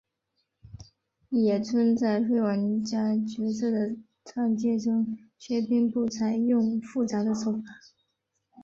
野村在非玩家角色的创建中却并不采用复杂的手法。